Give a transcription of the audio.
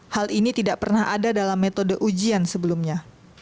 hal ini tidak pernah ada dalam metode ujian sebelumnya